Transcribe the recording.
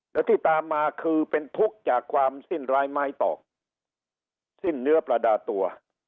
และที่ตามมาคือเป็นทุกข์จากความสิ้นร้ายไม้ตอกสิ้นเนื้อประดาตัว